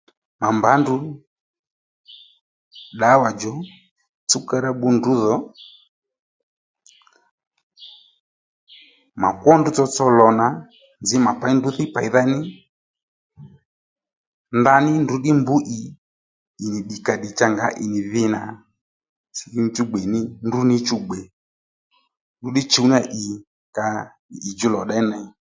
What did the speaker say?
Mà mbǎ ndrǔ ddǎwà djò tsúw ka ra bbu ndrǔdho mà kwó ndrǔ tsotso lò nà nzǐ mà pey ndrǔ thíy pèydha ní ndaní ndrǔ ddí mbrř ì ì nì ddìkàddì cha ngǎ ì nì dhi nà silimu ní chú gbè nì ndrǔ ní chú gbè ndrǔ ddí chùw ní ya ì kanì ì djú lò dey ney